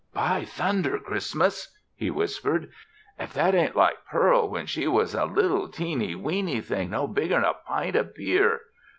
"By thunder! Christmas," he whispered. "If that ain't like Pearl when she was a little, teeny, weeny thing no bigger'n a pint o' beer!